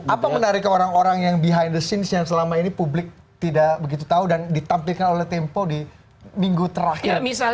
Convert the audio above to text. apa menarik orang orang yang behind the scenes yang selama ini publik tidak begitu tahu dan ditampilkan oleh tempo di minggu terakhir misalnya